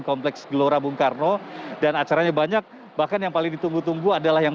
kompleks gelora bung karno dan acaranya banyak bahkan yang paling ditunggu tunggu adalah yang